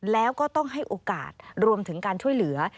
แล้วก็ต้องให้โอกาสรวมถึงการช่วยเหลือ